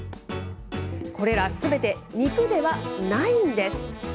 これらすべて、肉ではないんです。